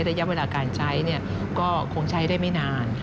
ระยะเวลาการใช้ก็คงใช้ได้ไม่นาน